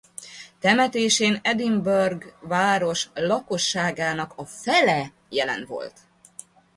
Temetésén Edinburgh város lakosságának a fele jelen volt.